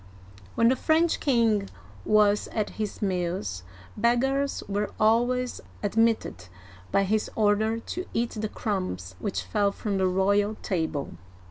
'* When the French king was at his meals, beggars were always admitted by his order to eat the crumbs which fell from the royal table.